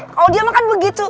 kalau diem akan begitu